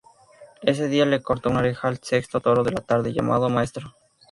Ese día le cortó una oreja al sexto toro de la tarde, llamado "Maestro".